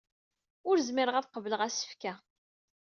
Ur zmireɣ ad qebleɣ asefk-a.